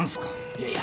いやいや。